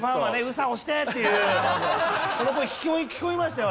「ＳＡ押して！」っていうその声聞こえましたよ